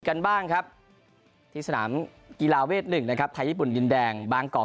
กันบ้างครับที่สนามกีฬาเวท๑นะครับไทยญี่ปุ่นดินแดงบางกอก